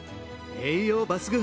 栄養抜群！